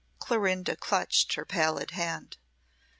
Clorinda clutched her pallid hand.